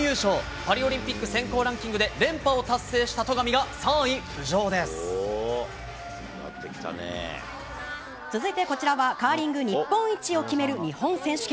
パリオリンピック選考ランキングで連覇を達成した戸上が３位浮上続いてこちらは、カーリング日本一を決める日本選手権。